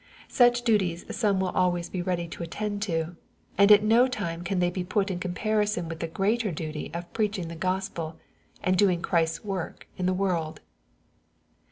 Such duties some will always be ready to attend to ; and at no time can they be put in comparison with the greater duty of preaching the Gospel, and doing Christ's work in the world.